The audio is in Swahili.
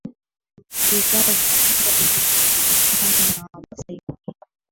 Siri zao zinalindwa ili zisijulikane na Wamasai wengine